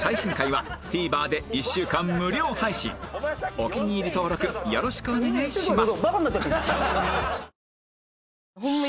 お気に入り登録よろしくお願いします！